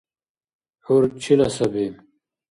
ГӀур чила саби?